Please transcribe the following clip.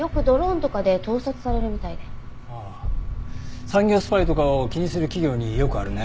ああ産業スパイとかを気にする企業によくあるね。